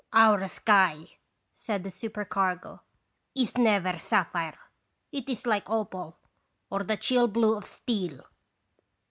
" Our sky," said the supercargo, "is never sapphire; it is like opal or the chill blue of steel."